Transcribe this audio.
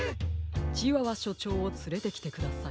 チワワしょちょうをつれてきてください。